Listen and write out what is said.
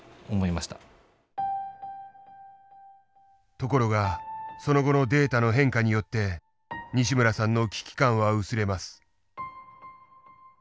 ところがその後のデータの変化によって西村さんの危機感は薄れます。